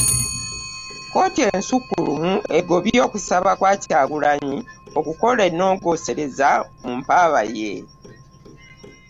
Kkooti ensukkulumu egobye okusaba kwa Kyagulanyi okukola ennongoosereza mu mpaaba ye